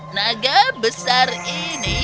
naga besar ini